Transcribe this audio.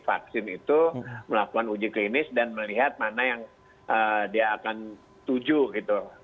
vaksin itu melakukan uji klinis dan melihat mana yang dia akan tuju gitu